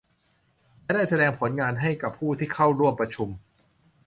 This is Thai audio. และได้แสดงผลงานให้กับผู้ที่เข้าร่วมประชุม